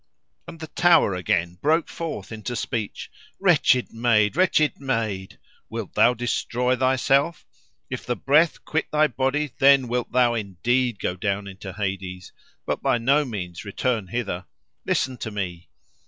And the tower again, broke forth into speech: "Wretched Maid! Wretched Maid! Wilt thou destroy thyself? If the breath quit thy body, then wilt thou indeed go down into Hades, but by no means return hither. Listen to me.